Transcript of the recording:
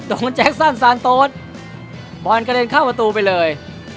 แจ็คสั้นซานโต๊ดบอลกระเด็นเข้าประตูไปเลย